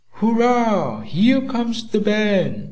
"Hurrah! Here comes the band!"